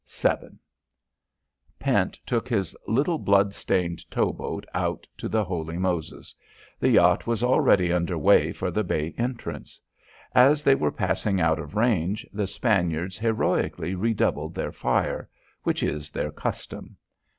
VII Pent took his little blood stained tow boat out to the Holy Moses. The yacht was already under way for the bay entrance. As they were passing out of range the Spaniards heroically redoubled their fire which is their custom.